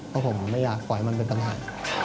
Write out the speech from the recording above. เพราะผมไม่อยากปล่อยมันเป็นปัญหา